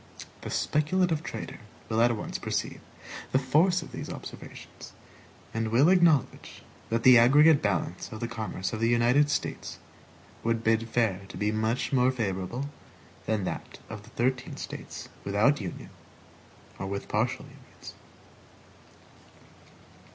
The speculative trader will at once perceive the force of these observations, and will acknowledge that the aggregate balance of the commerce of the United States would bid fair to be much more favorable than that of the thirteen States without union or with partial unions.